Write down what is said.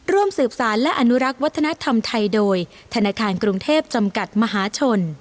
ร่วมสืบสารและอนุรักษ์วัฒนธรรมไทยโดยธนาคารกรุงเทพจำกัดมหาชน